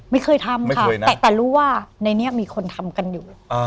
ไม่เคยทำค่ะแต่รู้ว่าในนี้มีคนทำกันอยู่